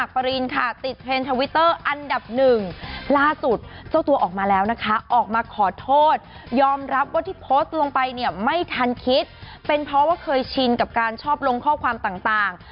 เป็นเพราะว่าเคยชินกับการชอบลงข้อความต่าง